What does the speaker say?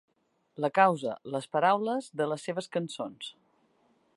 La causa: les paraules de les seves cançons.